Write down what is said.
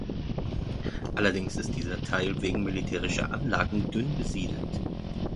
Allerdings ist dieser Teil wegen militärischer Anlagen dünn besiedelt.